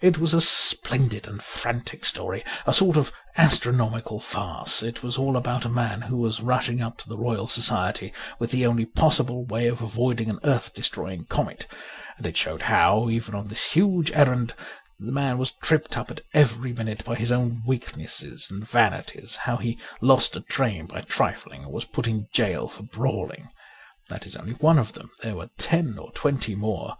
It was a splendid and frantic story, a sort of astro nomical farce. It was all about a man who was rushing up to the Royal Society with the only possible way of avoiding an earth destroying comet ; and it showed how, even on this huge errand, the man was tripped up at every other minute by his own weaknesses and vanities ; how he lost a train by trifling or was put in gaol for brawling. That is only one of them ; there were ten or twenty more.